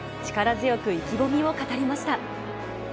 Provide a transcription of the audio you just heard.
力強く意気込みを語りました。